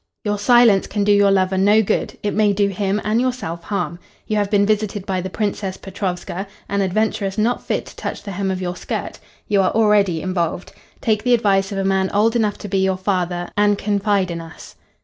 Your silence can do your lover no good it may do him and yourself harm. You have been visited by the Princess Petrovska, an adventuress not fit to touch the hem of your skirt. You are already involved. Take the advice of a man old enough to be your father, and confide in us."